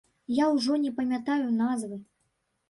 Я ўжо не памятаю назвы.